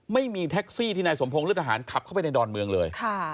ไม่มีแท็กซี่ที่นายสมพงศ์เลือดทหารขับเข้าไปในดอนเมืองเลย